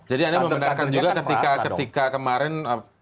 jadi anda membenarkan juga ketika kemarin